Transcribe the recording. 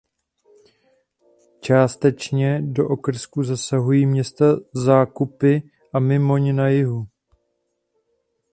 Částečně do okrsku zasahují města Zákupy a Mimoň na jihu.